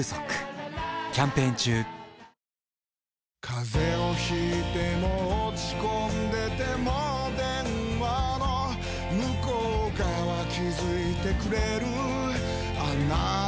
風邪を引いても落ち込んでても電話の向こう側気付いてくれるあなたの声